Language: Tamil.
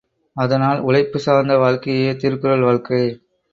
அதனால் உழைப்புச் சார்ந்த வாழ்க்கையே திருக்குறள் வாழ்க்கை.